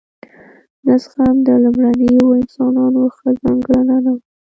نه زغم د لومړنیو انسانانو ښه ځانګړنه نه وه.